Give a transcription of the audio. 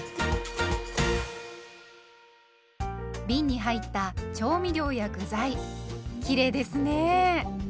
びんに入った調味料や具材きれいですね。